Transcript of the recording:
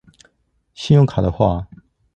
信用卡的話